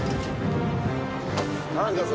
何ですか？